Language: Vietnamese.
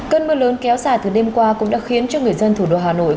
cơn mưa lớn kéo dài từ đêm qua cũng đã khiến cho người dân thủ đô hà nội